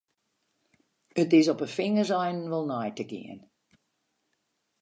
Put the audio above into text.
It is op 'e fingerseinen wol nei te gean.